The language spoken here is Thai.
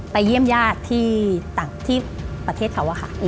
ไปเยี่ยมญาติที่ประเทศเขาอะค่ะ